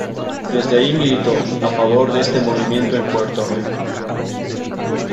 Desde ahí militó a favor de este movimiento en Puerto Rico.